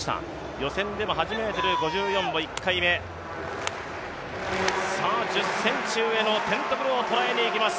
予選でも８ｍ５４を１回目、１０ｃｍ上のテントグルをとらえに行きます。